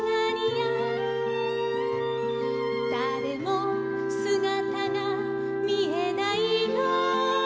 「だれもすがたがみえないよ」